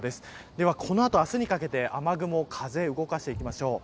では、この後、明日にかけて雨雲と風を動かしていきましょう。